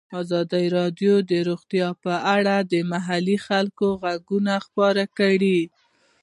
ازادي راډیو د روغتیا په اړه د محلي خلکو غږ خپور کړی.